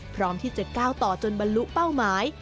พร้อมที่จะก้าวต่อจนบรรลุเป้าหมาย